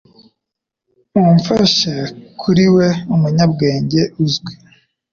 mumfashe kuri we umunyabwenge uzwi